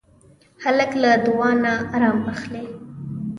هلک له دعا نه ارام اخلي.